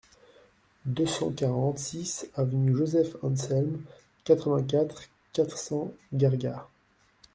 deux cent quarante-six avenue Joseph Anselme, quatre-vingt-quatre, quatre cents, Gargas